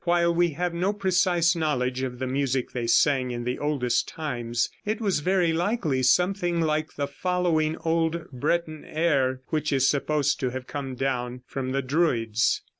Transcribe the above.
While we have no precise knowledge of the music they sang in the oldest times, it was very likely something like the following old Breton air, which is supposed to have come down from the Druids.